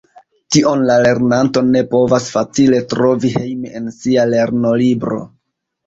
Tion la lernanto ne povas facile trovi hejme en sia lernolibro.